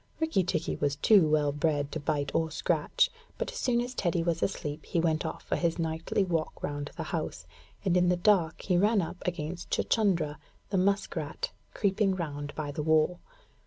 Rikki tikki was too well bred to bite or scratch, but as soon as Teddy was asleep he went off for his nightly walk round the house, and in the dark he ran up against Chuchundra, the musk rat, creeping round by the wall.